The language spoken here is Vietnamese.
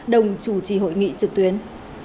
đồng chủ trì hội nghị trực tuyến